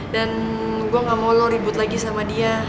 dan gue gak mau lo ribut lagi sama dia